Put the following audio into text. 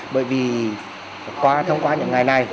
bởi vì thông qua những ngày này